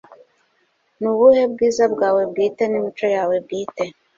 Ni ubuhe bwiza bwawe bwite nimico yawe bwite